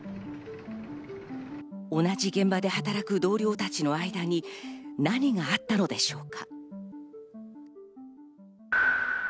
同じ現場で働く同僚たちの間に何があったのでしょうか？